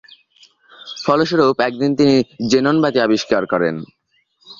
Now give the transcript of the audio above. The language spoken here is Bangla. ফলস্বরূপ একদিন তিনি জেনন বাতি আবিষ্কার করেন।